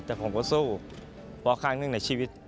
แต่ผมก็สู้พอข้างหนึ่งในชีวิต